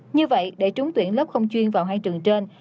như vậy để trúng tuyển lớp không chuyên vào hai trường trên